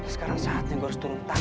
sekarang saatnya gue harus turun tangan